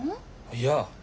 いや。